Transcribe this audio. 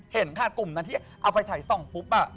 เห็นค่ะกลุ่มนั้นที่เอาไฟฉายส่องปุ๊บ